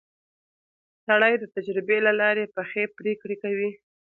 سړی د تجربې له لارې پخې پرېکړې کوي